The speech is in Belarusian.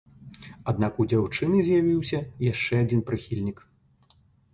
Аднак у дзяўчыны з'явіўся яшчэ адзін прыхільнік.